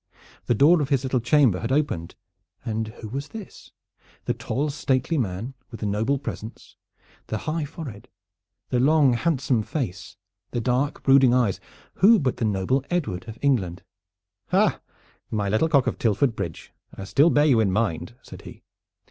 The door of his little chamber had opened, and who was this, the tall stately man with the noble presence, the high forehead, the long handsome face, the dark, brooding eyes who but the noble Edward of England? "Ha, my little cock of Tilford Bridge, I still bear you in mind," said he.